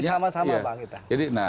jadi sama sama bang